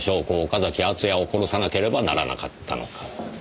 岡崎敦也を殺さなければならなかったのか。